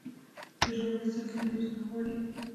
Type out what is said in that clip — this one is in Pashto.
د ژورې څاه کیندل اجازه غواړي؟